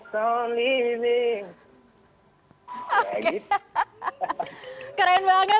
hahaha keren banget